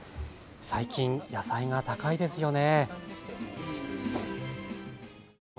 最近、野菜が高いですよね。